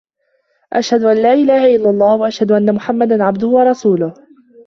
أشهد أن لا إله إلا الله وأشهد أن محمدا عبده ورسوله